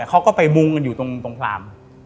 เขาก็ไปมุงกันอยู่ตรงพราม